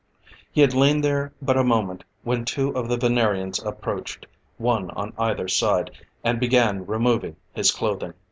He had lain there but a moment when two of the Venerians approached, one on either side, and began removing his clothing.